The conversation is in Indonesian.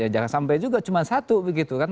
jangan sampai juga cuma satu begitu kan